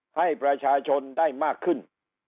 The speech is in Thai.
ให้ประชาชนได้มากขึ้น